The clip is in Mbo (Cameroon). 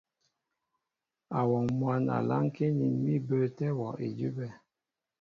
Awɔŋ mwǎn a lánkí nín mí bəətɛ́ wɔ́ idʉ́bɛ́.